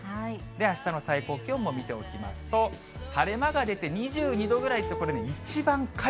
あしたの最高気温も見ておきますと、晴れ間が出て２２度ぐらいっそうですね。